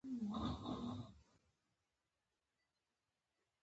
په نړۍ کې دغه ښکاره توپیرونه او نابرابري څرګنده ده.